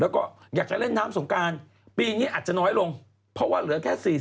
แล้วก็อยากจะเล่นน้ำสงการปีนี้อาจจะน้อยลงเพราะว่าเหลือแค่๔๐